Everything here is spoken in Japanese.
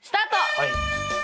はい。